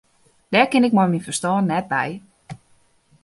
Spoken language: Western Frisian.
Dêr kin ik mei myn ferstân net by.